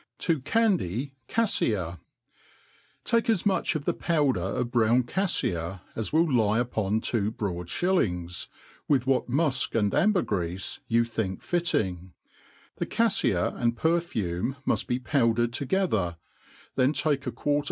To candy CaJJia. V TAKE as much of the powder of brown caflia as will lie uppn two broad (hillings, with what mufkan,d ambergreafe you think fitting ; the caifia and perfume muft be powdered toge ther, then take a quarter.